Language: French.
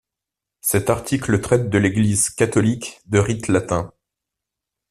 Cet article traite de l'Église catholique de rite latin.